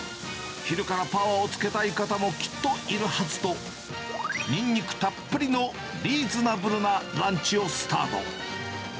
昼からパワーをつけたい方も、きっといるはずと、ニンニクたっぷりのリーズナブルなランチをスタート。